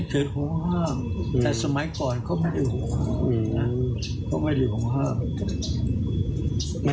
เขาไม่ได้อยู่ของห้าม